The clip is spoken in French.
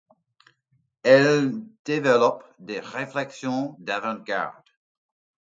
Elle développe des réflexions d'avant-garde.